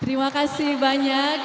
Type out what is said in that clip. terima kasih banyak